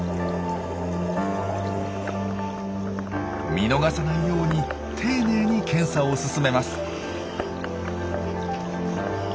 見逃さないように丁寧に検査を進めます。